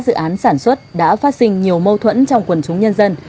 dự án sản xuất đã phát sinh nhiều mâu thuẫn trong quần chúng nhân dân